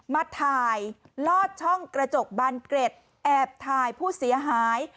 มาถ่ายลอดช่องกระจกบานเกร็ดแอบถ่ายผู้เสียหาย